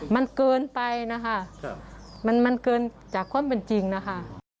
มันเกินไปนะคะมันเกินจากความเป็นจริงนะคะ